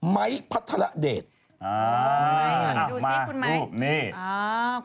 อ๋อเลยเหรอดูสิคุณไมค์